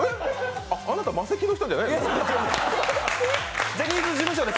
あなたマセキの人じゃないの？